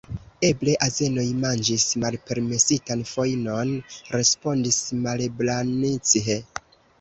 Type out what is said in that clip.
Eble azenoj manĝis malpermesitan fojnon, respondis Malebranche.